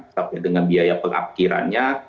sampai dengan biaya pengakhirannya